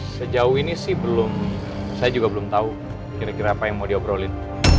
sejauh ini sih belum saya juga belum tahu kira kira apa yang mau diobrolin